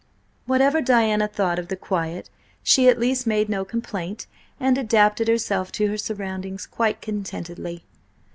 Whatever Diana thought of the quiet, she at least made no complaint, and adapted herself to her surroundings quite contentedly.